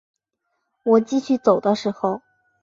我继续走的时候